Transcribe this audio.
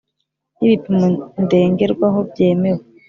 N ibipimo ndengerwaho byemewe